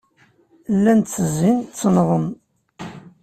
Llan ttezzin, ttennḍen.